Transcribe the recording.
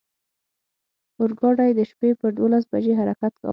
اورګاډی د شپې پر دولس بجې حرکت کاوه.